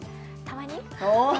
たまに？